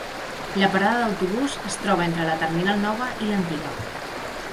La parada d'autobús es troba entre la terminal nova i l'antiga.